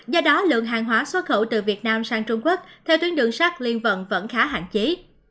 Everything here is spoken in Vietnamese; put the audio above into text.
do đó lượng hàng hóa xuất khẩu từ việt nam sang trung quốc theo tuyến đường sắt liên vận vẫn khá hạn chế